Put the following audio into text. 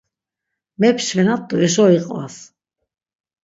Mepşvenat do eşo iqvas.